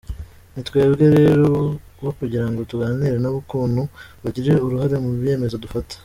Ni twebwe rero bo kugira ngo tuganire nabo ukuntu bagira uruhare mu byemezo dufata.”